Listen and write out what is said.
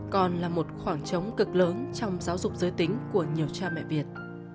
còn là một khoảng trống cực lớn trong giáo dục giới tính của nhiều cha mẹ việt